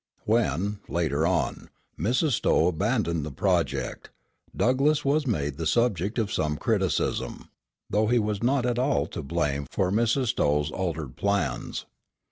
When, later on, Mrs. Stowe abandoned the project, Douglass was made the subject of some criticism, though he was not at all to blame for Mrs. Stowes altered plans.